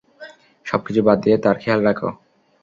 সবকিছু বাদ দিয়ে তার খেয়াল রাখো।